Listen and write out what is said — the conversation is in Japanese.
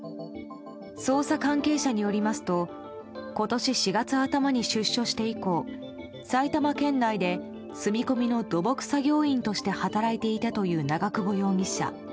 捜査関係者によりますと今年４月頭に出所して以降埼玉県内で住み込みの土木作業員として働いていたという長久保容疑者。